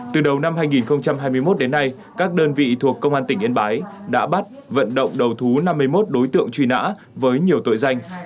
từ đầu năm hai nghìn hai mươi một đến nay các đơn vị thuộc công an tỉnh yên bái đã bắt vận động đầu thú năm mươi một đối tượng truy nã với nhiều tội danh